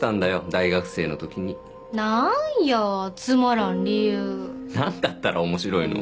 大学生のときになんやつまらん理由なんだったら面白いの？